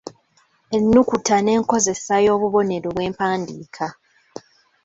Ennukuta n’enkozesa y’obubonero bw’empandiika.